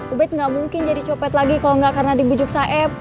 obet gak mungkin jadi copet lagi kalau enggak karena dibujuk saeb